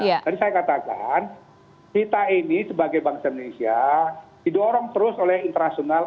tadi saya katakan kita ini sebagai bangsa indonesia didorong terus oleh internasional